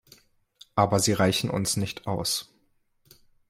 Aber sie reichen uns nicht aus.